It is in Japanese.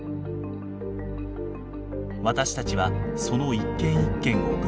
私たちはその一件一件を分析。